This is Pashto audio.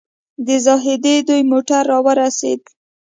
د زاهدي دوی موټر راورسېد.